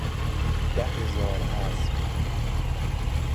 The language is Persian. ده هزار اسب